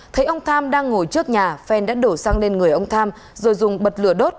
thấy ông tham đang ngồi trước nhà phen đã đổ xăng lên người ông tham rồi dùng bật lửa đốt